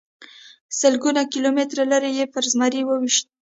سلګونه کیلومتره لرې یې پرې زمری وويشت.